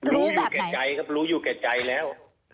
รู้อยู่แก่ใจครับรู้อยู่แก่ใจแล้ว